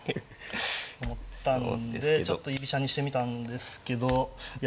思ったんでちょっと居飛車にしてみたんですけどいや